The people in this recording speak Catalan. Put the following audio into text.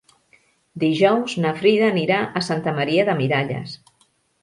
Dijous na Frida anirà a Santa Maria de Miralles.